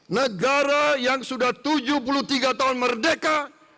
negara yang sudah tujuh puluh tiga tahun merdeka